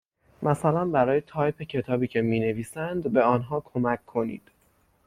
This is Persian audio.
مثلا برای تایپ کتابی که می نویسند به آنها کمک کنید.